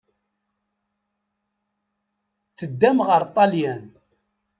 Teddam ɣer Ṭṭalyan.